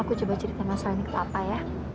aku coba cerita masalah ini ke papa ya